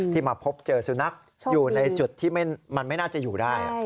ที่มาพบเจอสุนัขมันไม่น่าจะอยู่ได้